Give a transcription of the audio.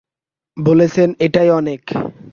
বলেছেন এটাই অনেক।